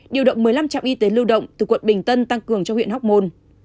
điều động một mươi năm trạm y tế lưu động từ quận bình tân tăng cường cho huyện hóc môn